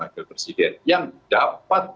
agar presiden yang dapat